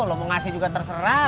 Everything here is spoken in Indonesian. lo mau ngasih juga terserah